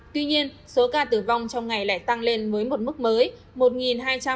tuy nhiên số ca tử vong trong ngày lại tăng lên với một mức mới